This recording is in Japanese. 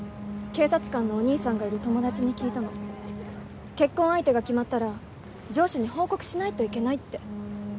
警察官のお兄さんがいる友達に聞いたの結婚相手が決まったら上司に報告しないといけないって